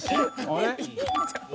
あれ？